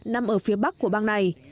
nằm ở phía bắc của bang này